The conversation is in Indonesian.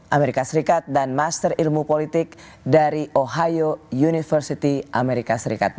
amerika serikat dan master ilmu politik dari ohio university amerika serikat